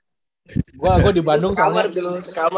sekamar dulu sekamar sama aku dulu